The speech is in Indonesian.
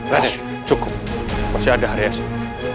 raden cukup masih ada hari esok